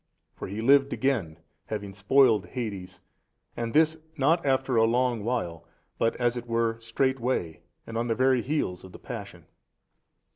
For He lived again, having spoiled Hades and this not after a long while but as it were straightway and on the very heels of the Passion.